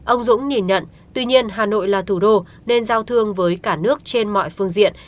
ông dũng nhìn nhận tuy nhiên hà nội là thủ đô nên giao thương với cả nước trên mọi phương diện